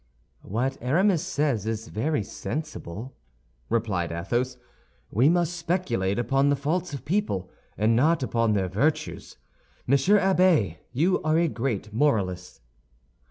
"What Aramis says is very sensible," replied Athos; "we must speculate upon the faults of people, and not upon their virtues. Monsieur Abbé, you are a great moralist."